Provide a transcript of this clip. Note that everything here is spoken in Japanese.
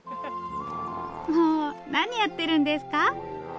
もう何やってるんですか？